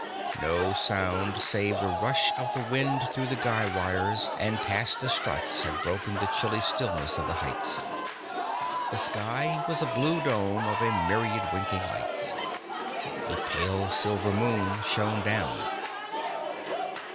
No sound save the rush of the wind through the guy wires and past the struts had broken the chilly stillness of the heights. The sky was a blue dome of a myriad winking lights. A pale silver moon shone down.